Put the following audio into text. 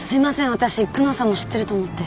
私久能さんも知ってると思って。